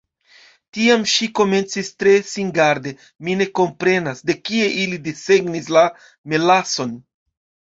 Tiam ŝi komencis tre singarde: "Mi ne komprenas. De kie ili desegnis la melason?"